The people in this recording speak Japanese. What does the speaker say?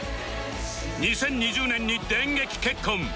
２０２０年に電撃結婚